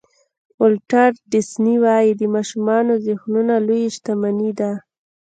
ولټر ډیسني وایي د ماشومانو ذهنونه لویه شتمني ده.